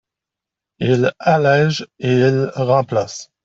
Il allège et il remplace.